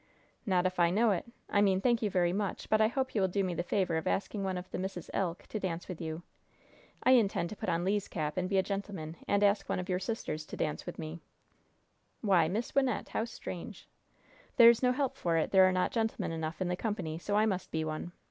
"Not if I know it! I mean, thank you very much, but I hope you will do me the favor of asking one of the Misses Elk to dance with you. I intend to put on Le's cap and be a gentleman, and ask one of your sisters to dance with me." "Why, Miss Wynnette, how strange!" "There's no help for it; there are not gentlemen enough in the company, so I must be one!